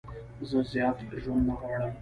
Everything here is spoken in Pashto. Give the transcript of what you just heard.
زه زیات ژوند نه غواړم.